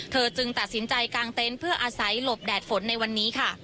จึงตัดสินใจกางเต็นต์เพื่ออาศัยหลบแดดฝนในวันนี้ค่ะ